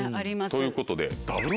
ということで。